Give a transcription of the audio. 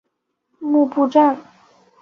布目站。